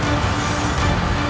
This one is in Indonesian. keluarga ku di pesta perjamuan